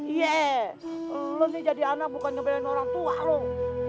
iya lu nih jadi anak bukan ngebelain orang tua rom